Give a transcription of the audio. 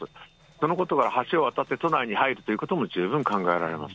そのことから橋を渡って都内に入るということも十分考えられます。